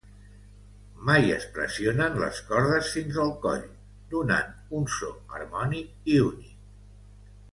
Mai es pressionen les cordes fins el coll, donant un so harmònic i únic.